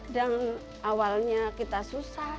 dan awalnya kita susah